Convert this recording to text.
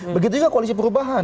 begitu juga koalisi perubahan